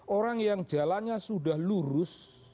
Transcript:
orang yang jalannya sudah lurus